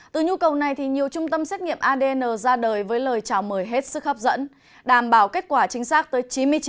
từ nhu cầu này nhiều trung tâm xét nghiệm adn ra đời với lời chào mời hết sức hấp dẫn đảm bảo kết quả chính xác tới chín mươi chín